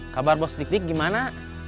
kabar bos dik dik gimana